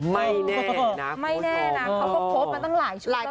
ไม่แน่นะไม่แน่นะเขาก็ครบมาตั้งหลายชุดแล้วนะ